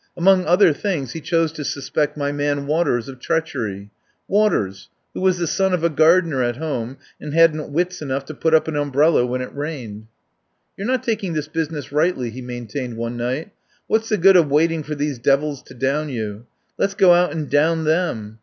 Among other things, he chose to sus pect my man Waters of treachery — Waters, who was the son of a gardener at home, and hadn't wits enough to put up an umbrella when it rained. "You're not taking this business rightly," he maintained one night. "What's the good of waiting for these devils to down you? Let's go out and down them."